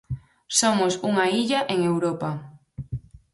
Somos unha illa en Europa.